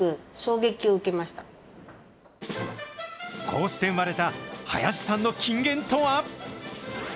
こうして生まれた林さんの金言とは。